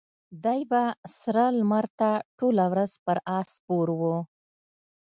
دی به سره لمر ته ټوله ورځ پر آس سپور و.